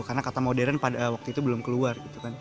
karena kata modern pada waktu itu belum keluar